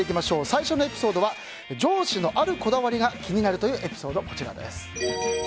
最初のエピソードは上司のあるこだわりが気になるというエピソードです。